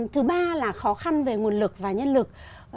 thứ ba là khó khăn về nguồn lực và nhân lực